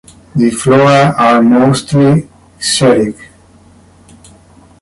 The flora are mostly xeric.